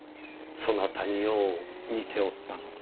そなたによう似ておったが。